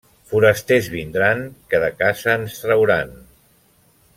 Forasters vindran, que de casa ens trauran.